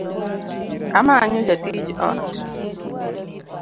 Amanyo jatiij ot